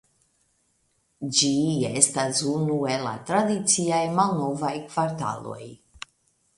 Ĝi estas unu el la tradiciaj malnovaj kvartaloj.